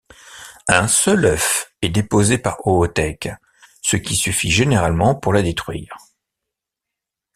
Un seul œuf est déposé par oothèque ce qui suffit généralement pour la détruire.